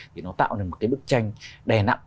thì nó tạo nên một cái bức tranh đè nặng